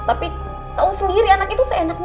tapi tahu sendiri anak itu seenaknya